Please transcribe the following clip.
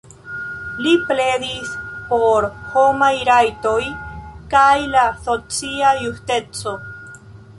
Li pledis por homaj rajtoj kaj la socia justeco.